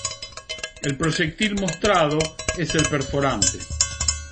El proyectil mostrado es el perforante.